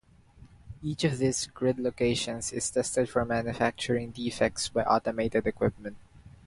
Each of these grid locations is tested for manufacturing defects by automated equipment.